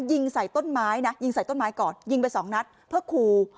ยิงใส่ต้นไม้นะยิงใส่ต้นไม้ก่อนยิงไปสองนัดเพื่อคู